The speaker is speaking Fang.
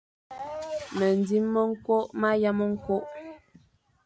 Mendzim nwokh ma yam nzokh.